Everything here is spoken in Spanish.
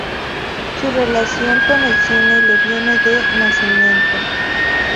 Su relación con el cine le viene de nacimiento.